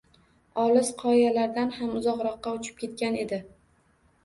Olis Qoyalardan ham uzoqroqqa uchib ketgan edi.